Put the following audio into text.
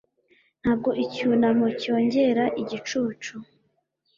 Ntabwo icyunamo cyongera igicucu